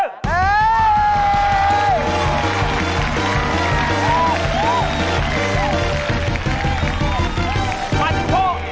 มันโดด